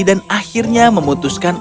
dan akhirnya memutuskan